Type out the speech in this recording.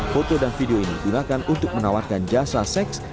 foto dan video ini digunakan untuk menawarkan jasa seks